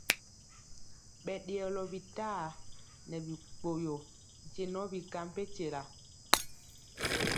Ɓɛ ɗeyɔlɔ bitaa nɛ bikpoyo nkye nɔ bi ka mpenkyela.